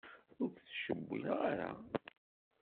Ur k-ttcewwileɣ ara.